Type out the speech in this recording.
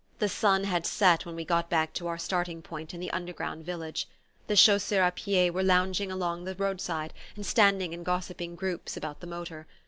The sun had set when we got back to our starting point in the underground village. The chasseurs a pied were lounging along the roadside and standing in gossiping groups about the motor.